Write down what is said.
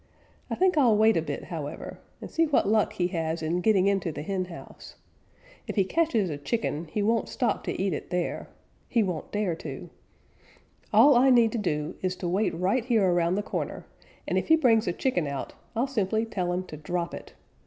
I think I'll wait a bit, however, and see what luck he has in getting into the henhouse. If he catches a chicken he won't stop to eat it there. He won't dare to. All I need do is to wait right here around the corner, and if he brings a chicken out, I'll simply tell him to drop it.